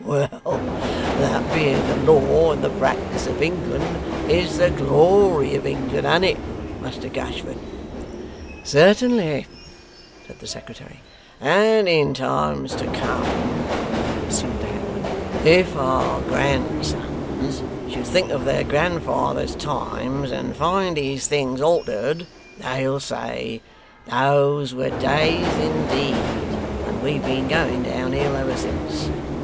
Well! That being the law and the practice of England, is the glory of England, an't it, Muster Gashford?' 'Certainly,' said the secretary. 'And in times to come,' pursued the hangman, 'if our grandsons should think of their grandfathers' times, and find these things altered, they'll say, "Those were days indeed, and we've been going down hill ever since."